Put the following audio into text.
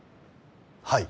はい。